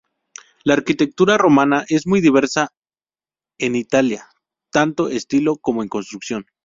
La arquitectura románica es muy diversa en Italia, tanto en estilo como en construcción.